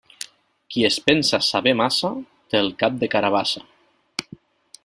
Qui es pensa saber massa, té el cap de carabassa.